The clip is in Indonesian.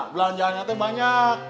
belanjaannya t banyak